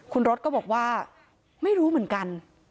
คุณรถก็บอกว่าไม่รู้เหมือนกัน